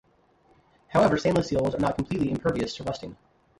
However, stainless steels are not completely impervious to rusting.